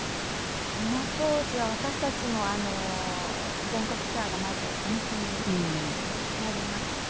あの当時は私たちも全国ツアーがまず延期になりまして。